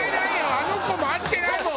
あの子も会ってないもん